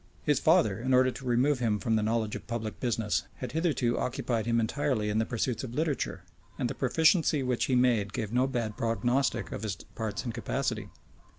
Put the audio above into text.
[*] His father, in order to remove him from the knowledge of public business, had hitherto occupied him entirely in the pursuits of literature; and the proficiency which he made gave no bad prognostic of his parts and capacity.